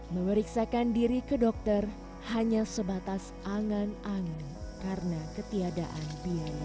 memeriksakan diri ke dokter hanya sebatas angan angin karena ketiadaan biaya